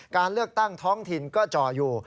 การเลือกตั้งท้องถิ่นก็จ่ออยู่